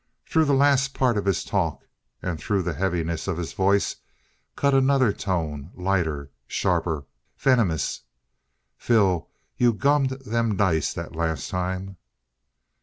Through the last part of his talk, and through the heaviness of his voice, cut another tone, lighter, sharper, venomous: "Phil, you gummed them dice that last time!"